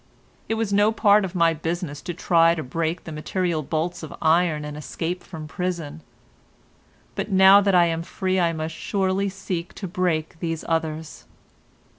It was no part of my business to try to break the material bolts of iron and escape from prison, but now that I am free I must surely seek to break these others."